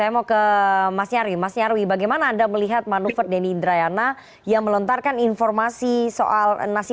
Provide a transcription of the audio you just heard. saya mau ke mas nyarwi mas nyarwi bagaimana anda melihat manuver denny indrayana yang melontarkan informasi soal nasib anies ini di kpk yang kemungkinan bisa ditetapkan sebuah kondisi